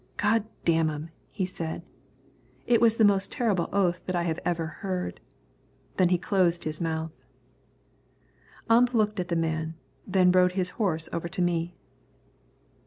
"God damn 'em!" he said. It was the most terrible oath that I have ever heard. Then he closed his mouth. Ump looked at the man, then rode his horse over to me.